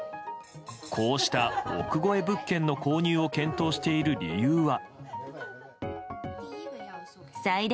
こうした億超え物件の購入を検討している理由は。